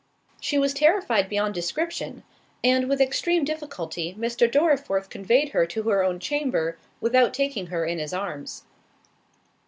She was terrified beyond description; and with extreme difficulty Mr. Dorriforth conveyed her to her own chamber, without taking her in his arms.